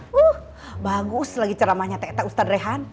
wuh bagus lagi ceramahnya ustadz rehan